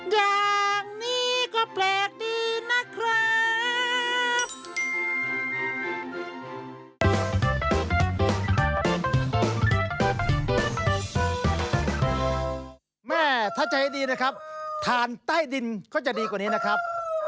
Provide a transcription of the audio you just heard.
อย่างนี้ก็แปลกดีนะครับ